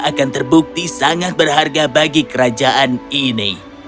akan terbukti sangat berharga bagi kerajaan ini